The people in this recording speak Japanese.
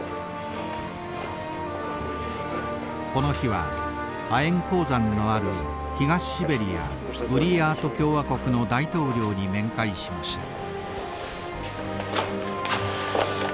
この日は亜鉛鉱山のある東シベリアブリヤート共和国の大統領に面会しました。